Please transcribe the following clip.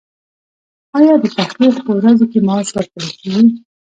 ایا د تحقیق په ورځو کې معاش ورکول کیږي؟